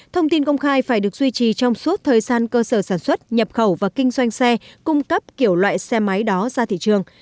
thông tin công khai phải được duy trì trong suốt thời gian cơ sở sản xuất nhập khẩu và kinh doanh xe cung cấp kiểu loại xe máy đó ra thị trường